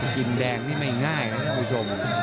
กลิ่นแดงนี่ไม่ง่ายนะครับคุณผู้ชม